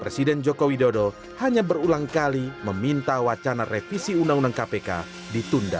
pemirsa jokowi dodo hanya berulang kali meminta wacana revisi undang undang kpk ditunda